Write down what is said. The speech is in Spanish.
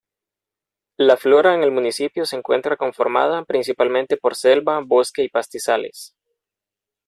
La flora en el municipio se encuentra conformada principalmente por selva, bosque y pastizales.